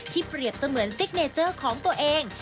เปรียบเสมือนซิกเนเจอร์ของตัวเอง